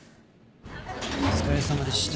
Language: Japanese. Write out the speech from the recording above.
お疲れさまでした。